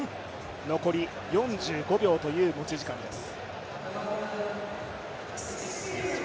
残り４５秒という持ち時間です。